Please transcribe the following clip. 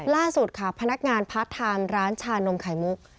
ล่าสุดค่ะพนักงานพาร์ทไทม์ร้านชานมไข่มุก